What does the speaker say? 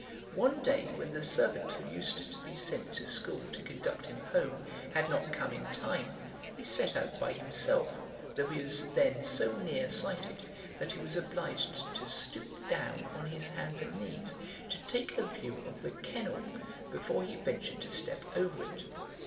One day, when the servant who used to be sent to school to conduct him home, had not come in time, he set out by himself, though he was then so near sighted, that he was obliged to stoop down on his hands and knees to take a view of the kennel before he ventured to step over it.